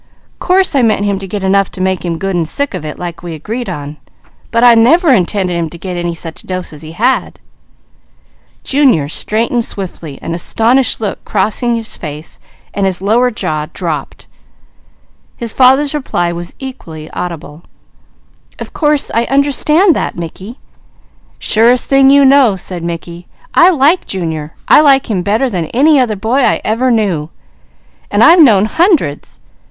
"Course I meant him to get enough to make him good and sick of it, like we agreed on; but I never intended him to get any such a dose as he had." Junior straightened swiftly, and his lower jaw dropped. His father's reply was equally audible. "Of course I understand that, Mickey." "Surest thing you know!" said Mickey. "I like Junior. I like him better than any other boy I ever knew, and I've known hundreds.